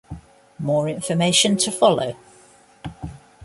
More information to follow.